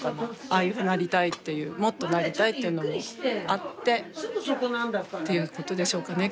ああいうふうになりたいっていうもっとなりたいっていうのもあってっていうことでしょうかね